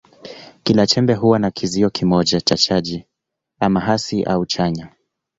Kila chembe huwa na kizio kimoja cha chaji, ama hasi au chanya.